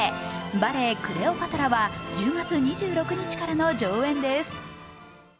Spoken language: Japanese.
バレエ「クレオパトラ」は１０月２６日からの上演です。